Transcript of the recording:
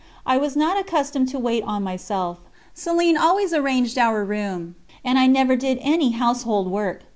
I was not accustomed to wait on myself; Céline always arranged our room, and I never did any household work.